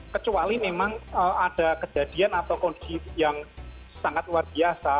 kecuali memang ada kejadian atau kondisi yang sangat luar biasa